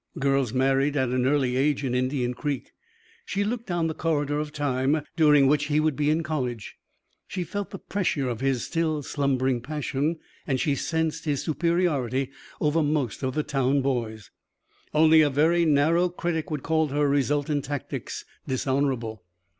Girls married at an early age in Indian Creek. She looked down the corridor of time during which he would be in college, she felt the pressure of his still slumbering passion, and she sensed his superiority over most of the town boys. Only a very narrow critic would call her resultant tactics dishonourable.